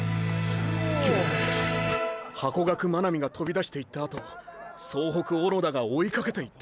ハコガク真波がとびだしていったあと総北小野田が追いかけていった。